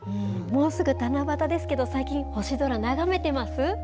もうすぐ七夕ですけど、最近、星空眺めてます？